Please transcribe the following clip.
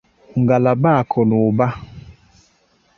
ngalaba akụnụba